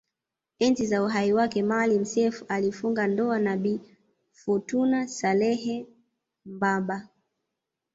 Enzi za uhai wake Maalim Self alifunga ndoa na Bi Fourtuna Saleh Mbamba